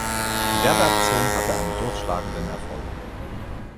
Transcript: Die Werbeaktion hatte einen durchschlagenden Erfolg.